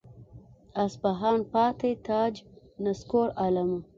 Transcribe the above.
اصفهان پاتې تاج نسکور عالمه.